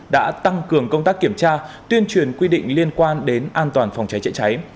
đã tăng cường công tác kiểm tra tuyên truyền quy định liên quan đến an toàn phòng cháy chữa cháy